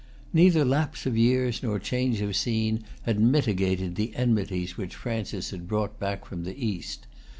Neither lapse of years nor change of scene had mitigated the enmities which Francis had brought back from the East.